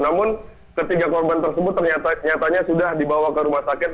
namun ketiga korban tersebut ternyata sudah dibawa ke rumah sakit